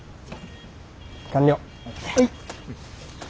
完了。